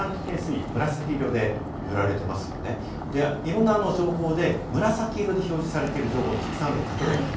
それから氾濫危険水位、紫色で塗られていますよね、いろんな情報で、紫色で表示されている情報がたくさんあります。